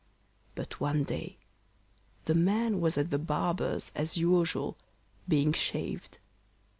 But one day the man was at the barber's as usual, being shaved.